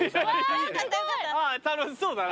ああ楽しそうだな。